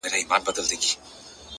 سیاه پوسي ده ـ ماسوم یې ژاړي ـ